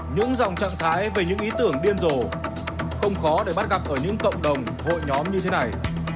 những dòng trạng thái về những ý tưởng điên rồ không khó để bắt gặp ở những cộng đồng hội nhóm như thế này